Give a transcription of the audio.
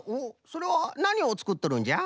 それはなにをつくっとるんじゃ？